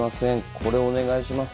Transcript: これお願いします。